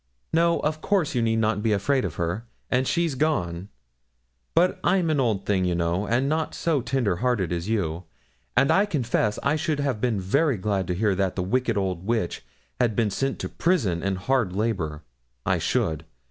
No, of course, you need not be afraid of her. And she's gone. But I'm an old thing, you know, and not so tender hearted as you; and I confess I should have been very glad to hear that the wicked old witch had been sent to prison and hard labour I should.